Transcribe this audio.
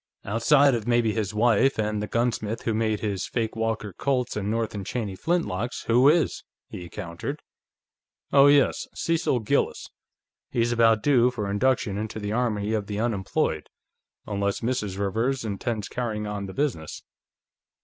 "Outside of maybe his wife, and the gunsmith who made his fake Walker Colts and North & Cheney flintlocks, who is?" he countered. "Oh, yes; Cecil Gillis. He's about due for induction into the Army of the Unemployed, unless Mrs. Rivers intends carrying on the business."